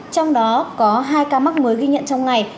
trong đó có hai ca mắc mới ghi nhận trong ngày